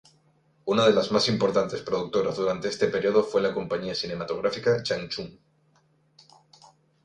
Una de las más importantes productoras durante este periodo fue la compañía cinematográfica Changchun.